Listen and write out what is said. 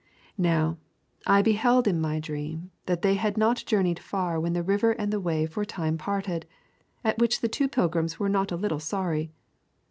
'Now, I beheld in my dream that they had not journeyed far when the river and the way for a time parted. At which the two pilgrims were not a little sorry.'